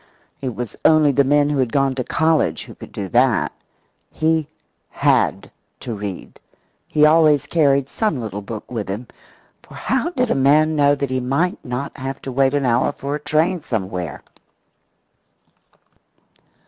It was only the men who had gone to college who could do that. He had to read. He always carried some little book with him, for how did a man know that he might not have to wait an hour for a train somewhere?